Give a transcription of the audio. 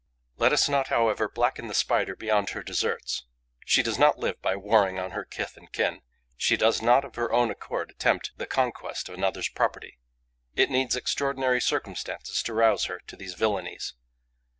Let us not, however, blacken the Spider beyond her deserts. She does not live by warring on her kith and kin; she does not of her own accord attempt the conquest of another's property. It needs extraordinary circumstances to rouse her to these villainies.